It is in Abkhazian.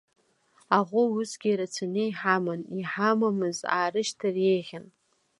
Аӷәы усгьы ирацәаны иҳаман, иҳамамыз аарышьҭыр еиӷьын.